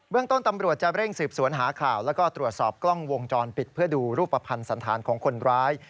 ต้นตำรวจจะเร่งสืบสวนหาข่าวแล้วก็ตรวจสอบกล้องวงจรปิดเพื่อดูรูปภัณฑ์สันธารของคนร้าย